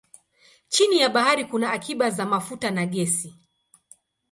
Chini ya bahari kuna akiba za mafuta na gesi.